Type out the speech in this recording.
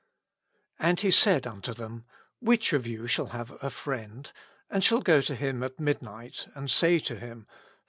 And He said unto thei?i, Which of you shall have A FRIEND, and shall go to him at midnight, and say to him.